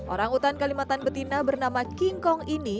orang utan kalimantan betina bernama king kong ini